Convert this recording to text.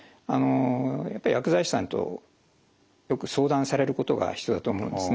やっぱり薬剤師さんとよく相談されることが必要だと思うんですね。